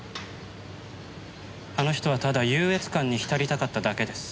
あの人はただ優越感に浸りたかっただけです。